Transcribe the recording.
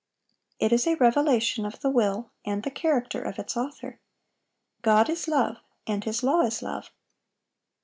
It is a revelation of the will and the character of its Author. God is love, and His law is love.